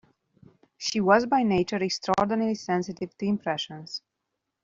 She was by nature extraordinarily sensitive to impressions.